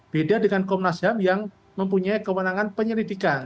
beda dengan komnas ham yang mempunyai kewenangan penyelidikan